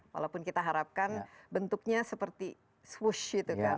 walaupun kita harapkan bentuknya seperti swish gitu kan